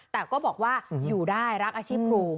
แต่ก็บอกว่าอยู่ได้รักอาชีพครู